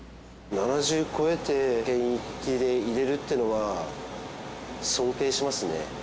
７０超えて元気でいれるっていうのは尊敬しますね。